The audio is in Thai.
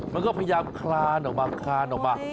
มันก็พยายามคลานออกมาคลานออกมา